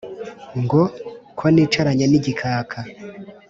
ngo: ko nicaranye n'igikaka